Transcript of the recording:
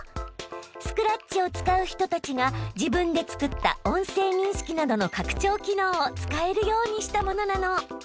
スクラッチを使う人たちが自分で作った音声認識などの拡張機能を使えるようにしたものなの。